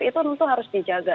itu tentu harus dijaga